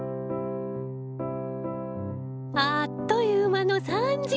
あっという間の３時間。